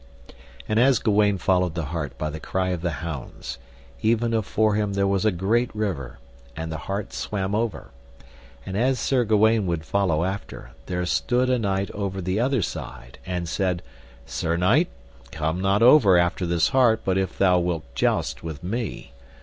And as Gawaine followed the hart by the cry of the hounds, even afore him there was a great river, and the hart swam over; and as Sir Gawaine would follow after, there stood a knight over the other side, and said, Sir knight, come not over after this hart but if thou wilt joust with me.